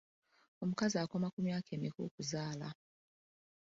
Omukazi akoma ku myaka emeka okuzaala?